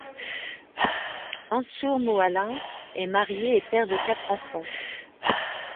Mansour Moalla est marié et père de quatre enfants.